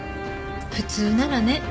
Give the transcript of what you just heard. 普通ならね。